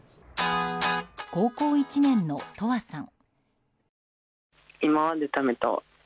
高校１年のトわさん。